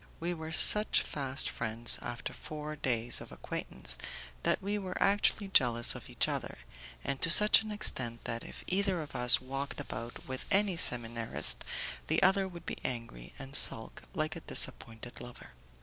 We were such fast friends, after four days of acquaintance, that we were actually jealous of each other, and to such an extent that if either of us walked about with any seminarist, the other would be angry and sulk like a disappointed lover.